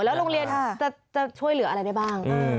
แล้วโรงเรียนจะช่วยเหลืออะไรได้บ้าง